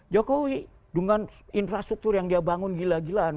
jokowi dengan infrastruktur yang dia bangun gila gilaan